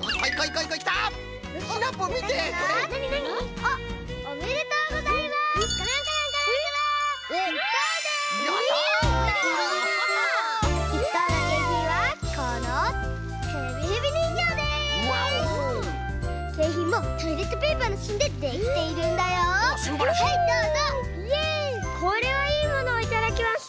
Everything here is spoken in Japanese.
これはいいものをいただきました。